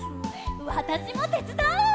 わたしもてつだう！